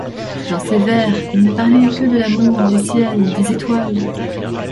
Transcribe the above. Dans ses vers il ne parlait que de l’amour, du ciel, des étoiles.